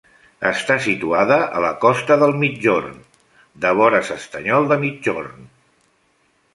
Està situada a la costa del migjorn, devora s'Estanyol de Migjorn.